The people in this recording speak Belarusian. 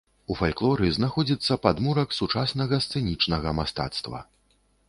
У фальклоры знаходзіцца падмурак сучаснага сцэнічнага мастацтва.